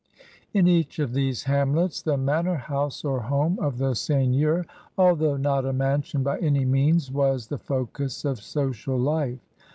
In each of these hamlets the manor house or home of the seigneur, although not a mansion by any means, was the focus of social life.